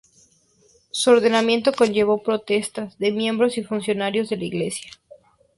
Su ordenamiento conllevó protestas de miembros y funcionarios de la iglesia.